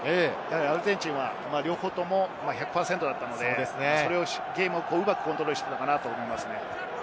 アルゼンチンは両方とも１００％だったので、ゲームをうまくコントロールしていたと思いますね。